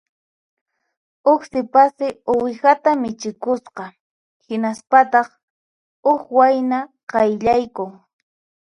Huk sipassi uwihata michikusqa; hinaspataq huk wayna qayllaykun